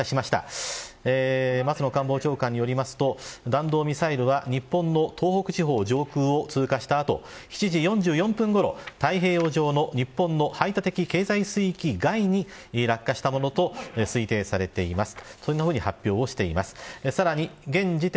松野官房長官によりますと弾道ミサイルは日本の東北地方上空を通過した後７時４４分ごろ太平洋上の日本の排他的経済水域外に落下したものと推定されています。